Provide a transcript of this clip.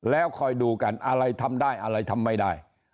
แล้วคอยดูกันอะไรทำได้อะไรทำไม่ได้